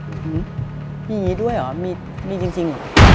มีอย่างนี้ด้วยเหรอมีจริง